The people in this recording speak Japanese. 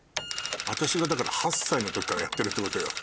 私がだから８歳の時からやってるってことよ。